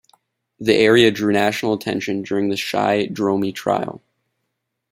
The area drew national attention during the Shai Dromi trial.